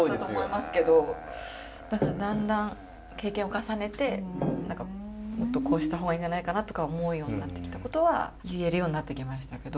だからだんだん経験を重ねてもっとこうした方がいいんじゃないかなとか思うようになってきたことは言えるようになってきましたけど。